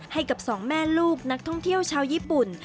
ให้กับสองแม่ลูกนักท่องเที่ยวชาวญี่ปุ่น